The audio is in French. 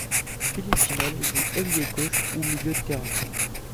Philippe Jeannol joue ailier gauche ou milieu de terrain.